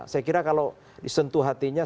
saya kira kalau disentuh hatinya